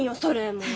もう。